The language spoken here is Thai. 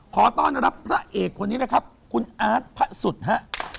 ขอต้อนรับพระเอกคนนี้เลยครับคุณอาร์ตพระสุดฮะ